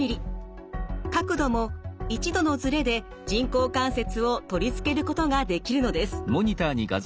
角度も１度のズレで人工関節を取り付けることができるのです。